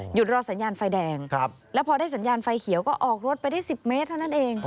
รอสัญญาณไฟแดงแล้วพอได้สัญญาณไฟเขียวก็ออกรถไปได้๑๐เมตรเท่านั้นเอง